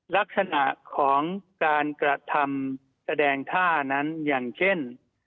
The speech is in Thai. ลักษณะของการกระทำแสดงท่านั้นอย่างเช่น